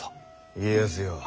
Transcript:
家康よ。